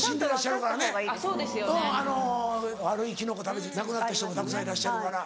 悪いキノコ食べて亡くなった人もたくさんいらっしゃるから。